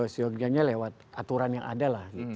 seyogianya lewat aturan yang ada lah